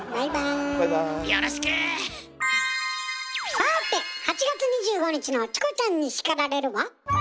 さて８月２５日の「チコちゃんに叱られる」は？